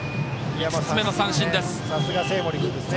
５つ目の三振です。